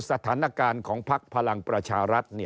สถานการณ์ของพักพลังประชารัฐ